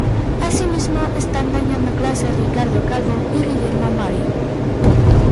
Asimismo están dando clase Ricardo Calvo y Guillermo Marín.